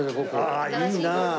ああいいなあ。